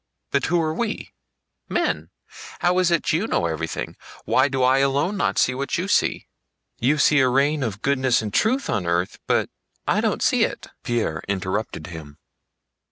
But who are we? Men. How is it you know everything? Why do I alone not see what you see? You see a reign of goodness and truth on earth, but I don't see it." Pierre interrupted him.